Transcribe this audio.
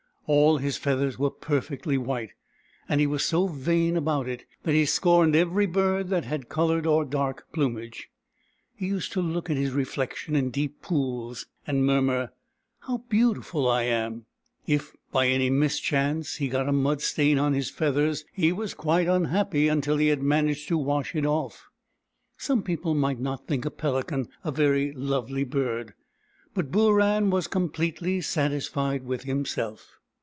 All his feathers were perfectly white, and he was so vain about it that he scorned every bird that had coloured or dark plumage. He used to look at his reflection in deep pools, and murmur, " How beautiful I am !" If by any mischance he got a mud stain on his feathers he was quite unhappy until he had managed to wash it off. Some people might not think a pelican a very lovely bird, but Booran was completely satisfied with himself.